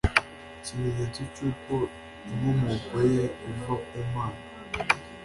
Ikimenyetso cy'uko inkomoko ye iva ku Mana,